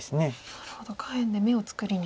なるほど下辺で眼を作りに。